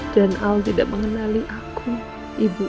dan al tidak mengenali aku ibunya